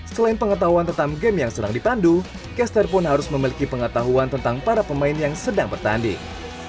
selain pengetahuan tentang game yang sedang dipandu caster pun harus memiliki pengetahuan tentang para pemain yang sedang bertanding